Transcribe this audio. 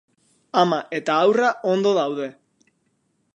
Ama eta haurra ondo daude.